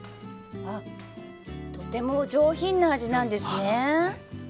とてもお上品な味なんですね。